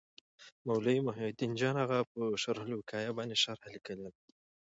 مولوي محي الدین جان اغا په شرح الوقایه باندي شرحه لیکلي ده.